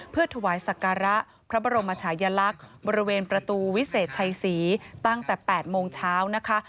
เพื่อถวายศักระพระบรมชายลักษณ์บริเวณประตูวิเศษชัยศรีตั้งแต่๘โมงเช้านะคะ